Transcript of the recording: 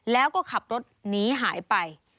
แล้วก็ขับรถหนีหายไป